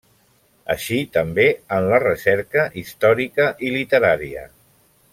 Així també en la recerca històrica i literària.